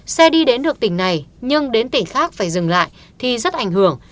xe đi đến được tỉnh này nhưng đến tỉnh khác phải dừng lại thì rất ảnh hưởng